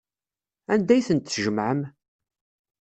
Anda ay tent-tjemɛem?